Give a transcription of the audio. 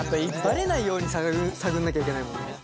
バレないように探んなきゃいけないもんね。